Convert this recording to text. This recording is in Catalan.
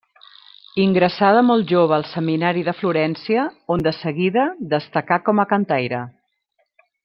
Ingressà de molt jove al seminari de Florència, on de seguida destacà com a cantaire.